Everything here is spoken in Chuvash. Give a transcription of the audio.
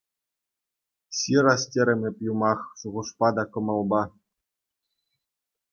Ҫырас терӗм эп юмах, шухӑшпа та кӑмӑлпа.